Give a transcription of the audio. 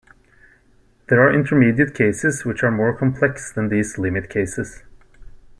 There are intermediate cases which are more complex than these limit cases.